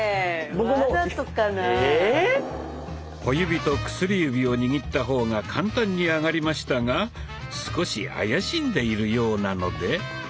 小指と薬指を握った方が簡単に上がりましたが少し怪しんでいるようなので。